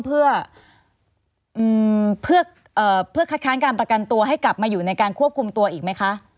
เพื่อคัดค้านการประกันตัวให้กลับมาอยู่ในการควบคุมตัวอีกไหมคะ